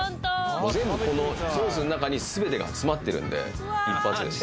もう全部このソースの中に全てが詰まってるんで一発です